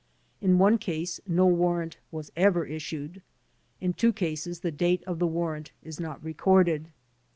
In one case no war rant was ever issued. In two cases the date of the war rant is not recorded.